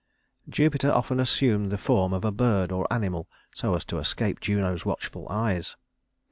Jupiter often assumed the form of a bird or animal so as to escape Juno's watchful eyes.